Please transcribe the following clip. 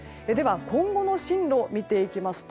今後の進路を見ていきますと